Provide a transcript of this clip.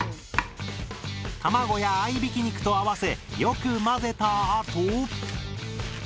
卵や合いびき肉と合わせよく混ぜたあと空気を抜く。